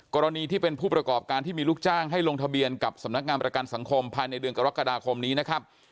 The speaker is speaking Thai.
กรณีที่เป็นผู้ประกอบการที่มีลูกจ้างให้ลงทะเบียนกับสำนักงานประกันสังคมภายในเดือนกรกฎาคมนี้นะครับ